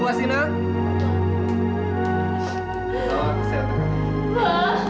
maafkan aku pak